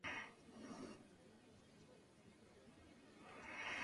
Carlos Bailón Valencia.